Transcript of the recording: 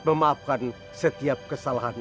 memaafkan setiap kesalahan